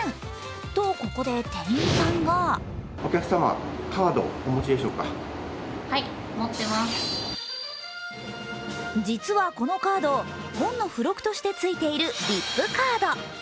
と、ここで店員さんが実はこのカード、本の付録としてついているＶＩＰカード。